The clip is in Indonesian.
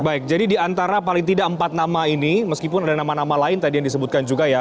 baik jadi diantara paling tidak empat nama ini meskipun ada nama nama lain tadi yang disebutkan juga ya